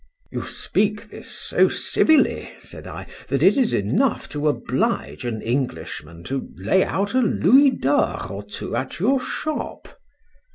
You speak this so civilly, said I, that it is enough to oblige an Englishman to lay out a louis d'or or two at your shop.